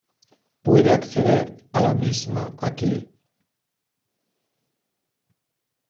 Puede acceder a la misma aqui.